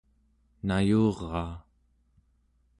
nayuraa